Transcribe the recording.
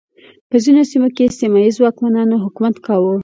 په ځینو سیمو کې سیمه ییزو واکمنانو حکومت کاوه.